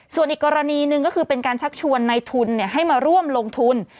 ส่วนอีกกรณีหนึ่งก็คือเป็นการชักชวนในทุนให้มาร่วมลงทุน